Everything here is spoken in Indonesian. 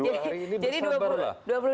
dua hari ini bersabar lah